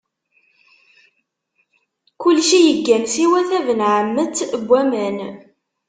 Kulci yeggan siwa tabenɛammet d waman.